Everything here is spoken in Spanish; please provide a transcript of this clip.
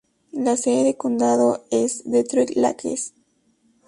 La sede de condado es Detroit Lakes.